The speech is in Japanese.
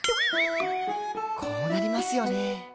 こうなりますよねー。